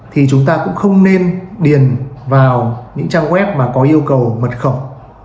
thì chúng ta cũng không nên điền vào những trang web mà có yêu cầu mật khẩu